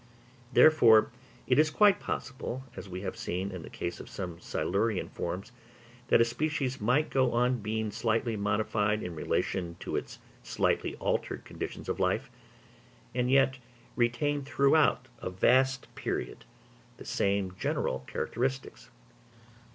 Therefore it is quite possible, as we have seen in the case of some Silurian forms, that a species might go on being slightly modified in relation to its slightly altered conditions of life, and yet retain throughout a vast period the same general characteristics.